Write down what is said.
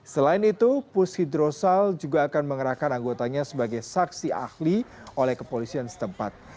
selain itu pus hidrosal juga akan mengerahkan anggotanya sebagai saksi ahli oleh kepolisian setempat